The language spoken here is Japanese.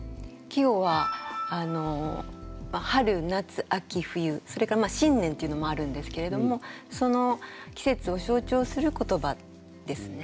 季語は春・夏・秋・冬それから新年というのもあるんですけれどもその季節を象徴する言葉ですね。